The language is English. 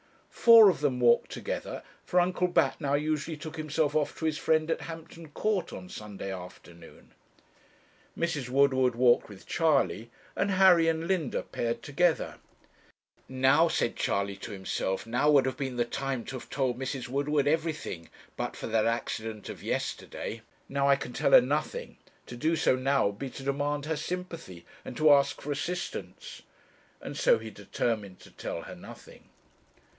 Four of them walked together; for Uncle Bat now usually took himself off to his friend at Hampton Court on Sunday afternoon. Mrs. Woodward walked with Charley, and Harry and Linda paired together. 'Now,' said Charley to himself, 'now would have been the time to have told Mrs. Woodward everything, but for that accident of yesterday. Now I can tell her nothing; to do so now would be to demand her sympathy and to ask for assistance;' and so he determined to tell her nothing.